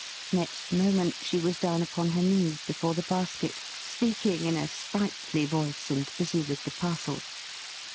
Next moment, she was down upon her knees before the basket; speaking in a sprightly voice, and busy with the parcels.